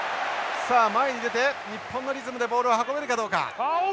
さあ前に出て日本のリズムでボールを運べるかどうか。